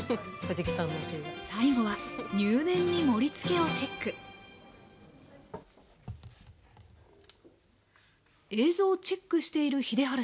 最後は入念に盛りつけをチェック映像をチェックしている秀治さん。